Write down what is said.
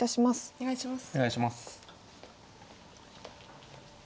お願いします。